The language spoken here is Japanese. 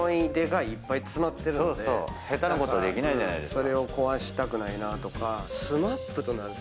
それを壊したくないなとか。